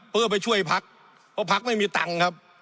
เพื่อไปช่วยพักเพราะพักไม่มีตังค์ครับ